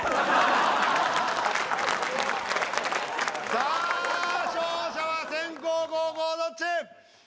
さあ勝者は先攻後攻どっち？